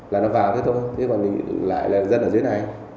là nó vào thế thôi thế còn mình lại là dân ở dưới này